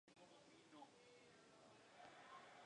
Cinco mujeres fueron acusadas de brujería en la ciudad de Lisboa.